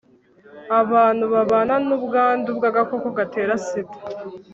abantu babana n'ubwandu bw'agakoko getera sida